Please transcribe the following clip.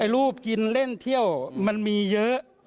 รูปกินเล่นเที่ยวมันมีเยอะ